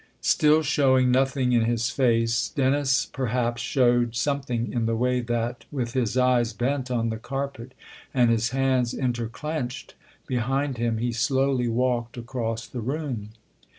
Still showing nothing in his face, Dennis perhaps showed something in the way that, with his eyes bent on the carpet and his hands interclenched behind him, he slowly walked across the room.